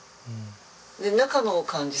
中の感じ